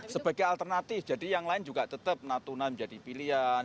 sebagai alternatif jadi yang lain juga tetap natuna menjadi pilihan